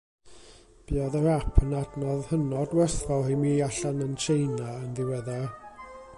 Buodd yr ap yn adnodd hynod werthfawr i mi allan yn Tsieina yn ddiweddar.